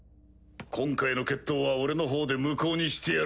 今回の決闘は俺の方で無効にしてやる。